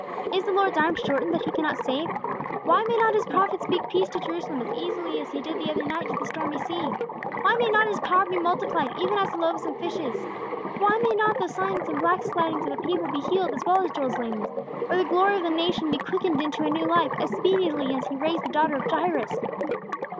Is the Lord's arm shortened that He cannot save? "Why may not His prophet speak peace to Jerusalem as easily as He did the other night to the stormy sea? Why may not His power be multiplied even as the loaves and fishes? "Why may not the sins and backslidings of the people be healed as well as Joel's lameness; or the glory of the nation be quickened into a new life, as speedily as He raised the daughter of Jairus?